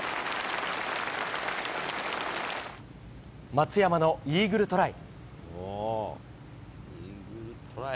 松山のイーグルトライ。